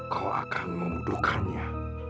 kau akan memuduhkannya